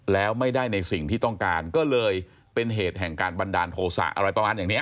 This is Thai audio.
แล้วไม่ได้ในสิ่งที่ต้องการก็เลยเป็นเหตุแห่งการบันดาลโทษะอะไรประมาณอย่างนี้